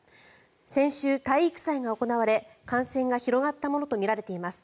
先週、体育祭が行われ感染が広がったものとみられています。